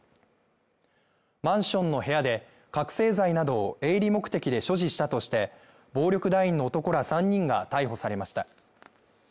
マンションの部屋で、覚醒剤などを営利目的で所持したとして暴力団員の男ら３人が逮捕されました。